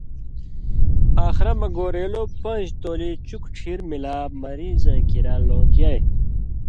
آخرہ مہ گورېلو پاݩژ تولی چُکوۡ ڇھیر ملا مریضاں کریا لوݩکیائ۔